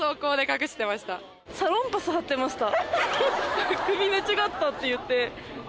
サロンパス貼ってました。